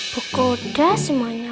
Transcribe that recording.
buku udah semuanya